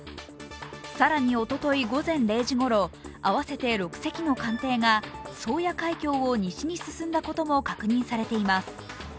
更に、おととい午前０時ごろ、合わせて６隻の艦艇が宗谷海峡を西に進んだことも確認されています。